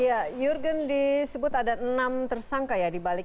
iya jurgen disebut ada enam tersangka ya ya